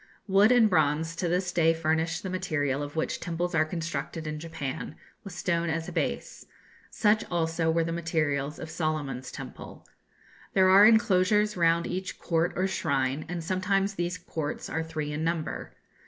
Wood and bronze to this day furnish the material of which temples are constructed in Japan, with stone as a base. Such also were the materials of Solomon's temple. There are enclosures round each court or shrine, and sometimes these courts are three in number.